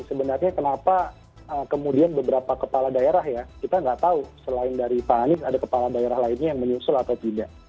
sebenarnya kenapa kemudian beberapa kepala daerah ya kita nggak tahu selain dari pak anies ada kepala daerah lainnya yang menyusul atau tidak